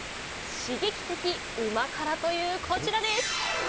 刺激的ウマ辛というこちらです。